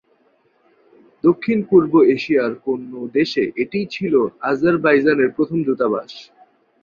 দক্ষিণ-পূর্ব এশিয়ার কোন দেশে, এটিই ছিল আজারবাইজানের প্রথম দূতাবাস।